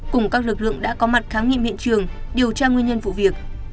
cùng các lực lượng đã có mặt khám nghiệm hiện trường điều tra nguyên nhân vụ việc